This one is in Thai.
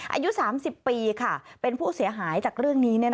อายุ๓๐ปีเป็นผู้เสียหายจากเรื่องนี้